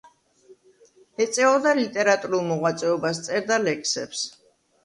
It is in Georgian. ეწეოდა ლიტერატურულ მოღვაწეობას, წერდა ლექსებს.